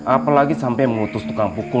apalagi sampai mengutus tukang pukul